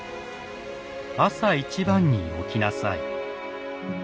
「朝一番に起きなさい」。